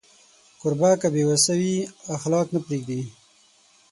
کوربه که بې وسی وي، اخلاق نه پرېږدي.